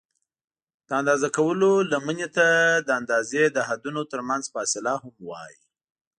د اندازه کولو لمنې ته د اندازې د حدونو ترمنځ فاصله هم وایي.